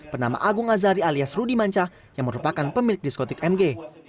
bernama agung azari alias rudy mancah yang merupakan pemilik diskotik mg